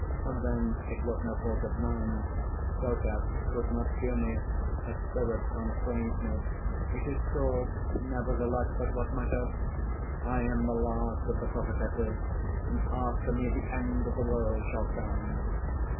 And then, it was no fault of mine. Sotas could not cure me; a spirit constrained me. It is cruel, nevertheless! But what matter? I am the last of the prophetesses; and after me the end of the world shall come."